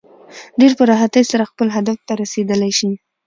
ډېر په راحتۍ سره خپل هدف ته رسېدلی شي.